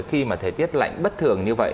khi mà thời tiết lạnh bất thường như vậy